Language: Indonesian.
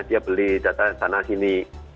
dia beli data sana sini